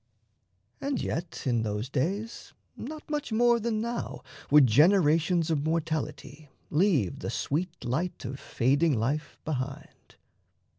And yet in those days not much more than now Would generations of mortality Leave the sweet light of fading life behind.